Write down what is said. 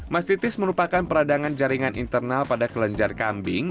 mastitis merupakan peradangan jaringan internal pada kelenjar kambing